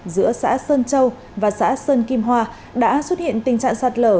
giữa xã sơn châu và xã sơn kim hoa đã xuất hiện tình trạng sạt lở